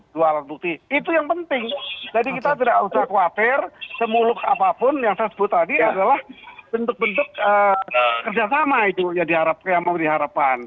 dua alat bukti itu yang penting jadi kita tidak usah khawatir semuluk apapun yang saya sebut tadi adalah bentuk bentuk kerjasama itu yang memberi harapan